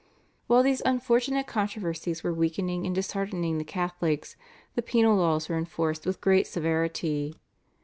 While these unfortunate controversies were weakening and disheartening the Catholics the penal laws were enforced with great severity.